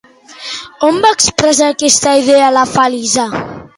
On va expressar aquesta idea la Felisa?